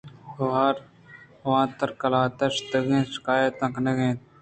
آواتر قلاتءَ شتگ شکایت کنگ ءَ اِنت